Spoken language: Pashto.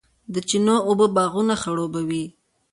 د چینو اوبه باغونه خړوبوي.